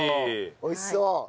美味しそう！